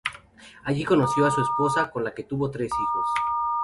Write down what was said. Allí conoció a su esposa, con la que tuvo tres hijos.